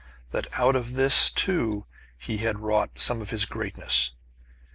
That out of this, too, he had wrought some of his greatness.